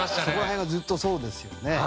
そこら辺はずっとそうですよね。